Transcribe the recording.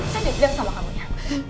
saya udah bilang sama kamu ya